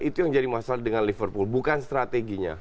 itu yang jadi masalah dengan liverpool bukan strateginya